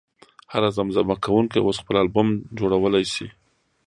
هر زمزمه کوونکی اوس خپل البوم جوړولی شي.